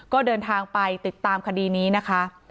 ก็เดินทางไปติดตามคดีนี้นะคะ